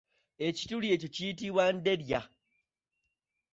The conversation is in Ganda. Ekituli ekyo kiyitibwa nderya.